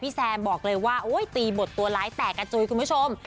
แซมบอกเลยว่าโอ้ยตีบทตัวร้ายแตกกระจุยคุณผู้ชม